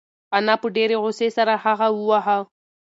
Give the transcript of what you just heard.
انا په ډېرې غوسې سره هغه وواهه.